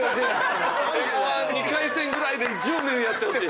Ｍ−１２回戦ぐらいで１０年やってほしい。